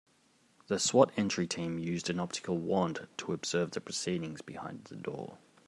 The S.W.A.T. entry team used an optical wand to observe the proceedings behind the door.